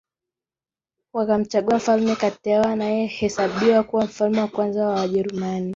Wakamchagua mfalme kati yao anayehesabiwa kuwa mfalme wa kwanza wa Wajerumani